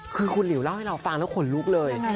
คือคุณหลิวเล่าให้เราฟังแล้วขนลุกเลย